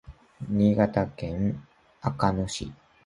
新潟県阿賀野市